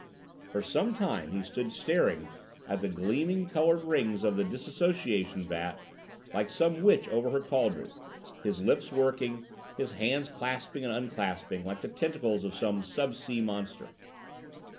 For some time he stood staring at the gleaming colored rings of his dissociation vat like some witch over her cauldron, his lips working, his hands clasping and unclasping like the tentacles of some sub sea monster.